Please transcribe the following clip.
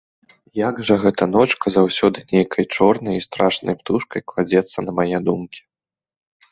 Як жа гэта ночка заўсёды нейкай чорнай і страшнай птушкай кладзецца на мае думкі!